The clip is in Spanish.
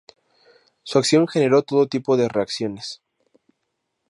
Su acción generó todo tipo de reacciones.